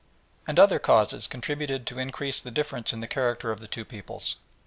And other causes contributed to increase the difference in the character of the two peoples.